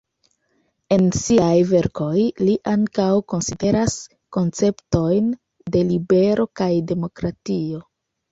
En siaj verkoj li ankaŭ konsideras konceptojn de libero kaj demokratio.